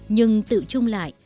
nhưng tự trung lại